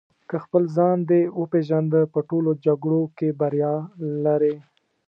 که خپل ځان دې وپېژنده په ټولو جګړو کې بریا لرې.